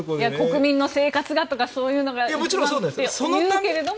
国民の生活がとかそういうのを言うけれども。